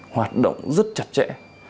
hoạt động rất chặt chẽ